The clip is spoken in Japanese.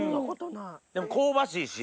でも香ばしいし。